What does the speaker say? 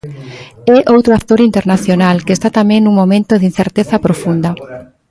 É outro actor internacional que está tamén nun momento de incerteza profunda.